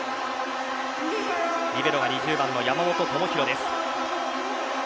リベロは２０番の山本智大です。